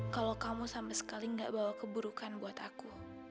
kalau kamu sama sekali nggak bawa keburukan buat aku